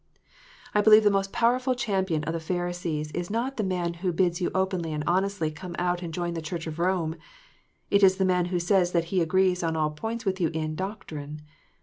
I believe the most powerful champion of the Pharisees is not the man who bids you openly and honestly come out and join the Church of Rome : it is the man who says that he agrees on all points with you in doctrine.